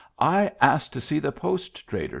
I asked to see the post trader.